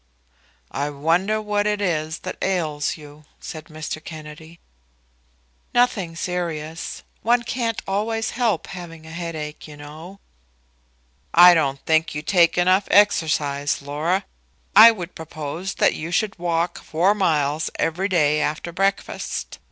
"I wonder what it is that ails you," said Mr. Kennedy. "Nothing serious. One can't always help having a headache, you know." "I don't think you take enough exercise, Laura. I would propose that you should walk four miles every day after breakfast.